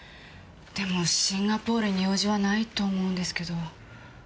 でもシンガポールに用事はないと思うんですけど。